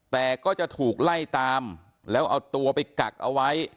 แต่ก็จะถูกไล่ตามแล้วเอาตัวไปกักเอาไว้